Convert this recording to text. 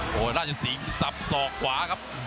โหน่าจะสีสับสอกขวาครับ